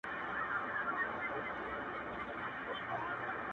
ویل خدایه تا ویل زه دي پالمه -